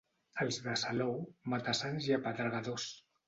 Els de Salou, mata-sants i apedregadors.